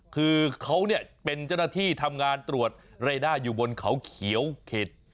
คือเขาเนี่ยเป็นเจ้าหน้าที่ทำงานตรวจเรด้าอยู่บนเขาเขียวเข็ด